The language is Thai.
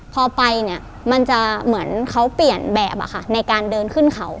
พอไปเนี่ยมันจะเหมือนเขาเปลี่ยนแบบในการเดินขึ้นเขา